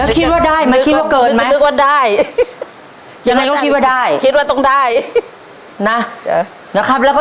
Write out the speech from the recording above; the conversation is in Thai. ถ้าจะรู้เงินแสนข้อนี้เขาทำได้นะครับ